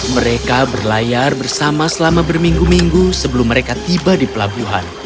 mereka berlayar bersama selama berminggu minggu sebelum mereka tiba di pelabuhan